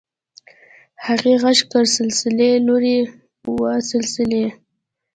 هغې غږ کړ سلسلې لورې وه سلسلې.